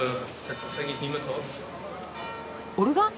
オルガン？